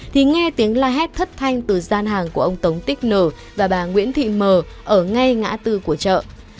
thì nghe tiếng la hét thất thanh từ gian hàng của ông tống tích nở và bà nguyễn thị mờ ở ngay ngã tư của chợ